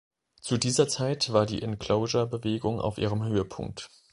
Zu dieser Zeit war die Enclosure-Bewegung auf ihrem Höhepunkt.